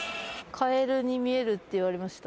カエルに見えるって言われました。